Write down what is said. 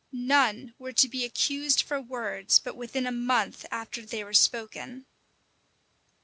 None were to be accused for words, but within a month after they were spoken.